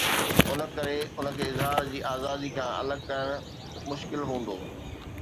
ان ڪري ان کي اظهار جي آزادي کان الڳ ڪرڻ مشڪل هوندو.